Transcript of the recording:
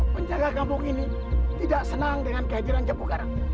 penjaga kampung ini tidak senang dengan kehadiran jepu karang